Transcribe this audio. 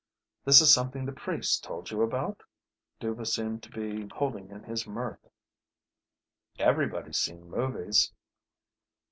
"This is something the priests told you about?" Dhuva seemed to be holding in his mirth. "Everybody's seen movies."